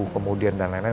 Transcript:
kemudian dan lain lain